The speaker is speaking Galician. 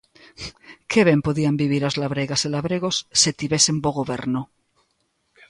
¡Que ben podían vivir as labregas e labregos se tivesen bo goberno!